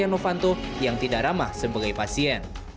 setia novanto yang tidak ramah sebagai pasien